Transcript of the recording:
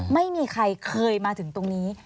ไม่เคยมาถึงตรงนี้